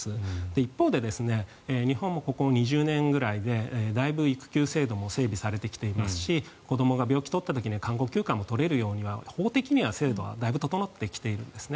一方で日本もここ２０年くらいでだいぶ育休制度も整備されてきていますし子どもが病気になった時には看護休暇も取れるようには法的には制度はだいぶ整ってきているんですね。